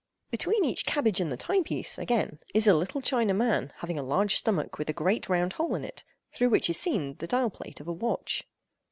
Between each cabbage and the time piece, again, is a little China man having a large stomach with a great round hole in it, through which is seen the dial plate of a watch.